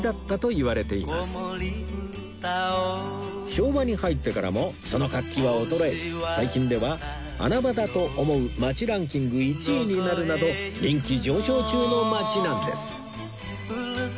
昭和に入ってからもその活気は衰えず最近では穴場だと思う街ランキング１位になるなど人気上昇中の街なんです